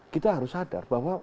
kita harus sadar bahwa